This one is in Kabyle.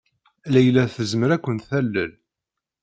Layla tezmer ad ken-talel.